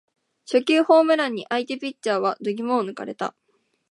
初球ホームランに相手ピッチャーは度肝を抜かれた